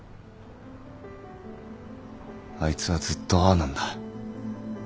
あいつはずっとああなんだ。